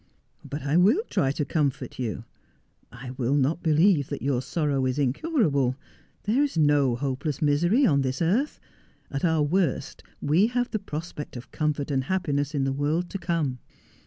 ' But I will try to comfort you. I will not believe that your sorrow is incurable. There is no hopeless misery on this earth. At our worst we have the prospect of comfort and happiness in the world to come.'